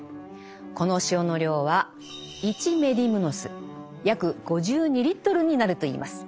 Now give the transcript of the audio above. この塩の量は１メディムノス約５２リットルになるといいます。